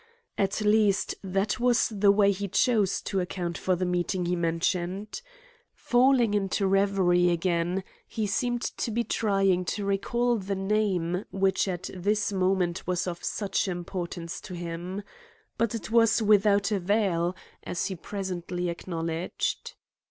At least, that was the way he chose to account for the meeting he mentioned. Falling into reverie again, he seemed to be trying to recall the name which at this moment was of such importance to him. But it was without avail, as he presently acknowledged.